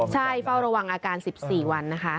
ใช่เฝ้าระวังอาการ๑๔วันนะคะ